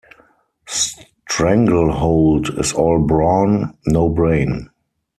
Stranglehold is all brawn - no brain.